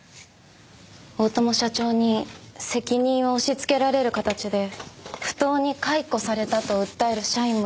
大友社長に責任を押しつけられる形で不当に解雇されたと訴える社員もいて。